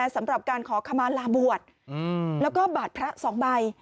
สำหรับการขอขมาลาบวชแล้วก็บาดพระ๒ใบ